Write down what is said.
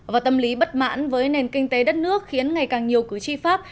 và tâm lý bất mãn với nền kinh tế đất nước khiến ngày càng nhiều cử tri pháp